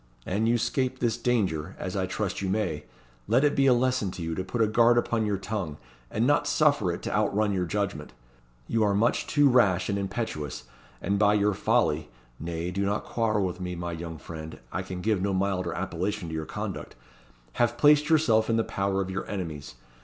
An you 'scape this danger, as I trust you may, let it be a lesson to you to put a guard upon your tongue, and not suffer it to out run your judgment. You are much too rash and impetuous, and by your folly (nay, do not quarrel with me, my young friend I can give no milder appellation to your conduct) have placed yourself in the power of your enemies.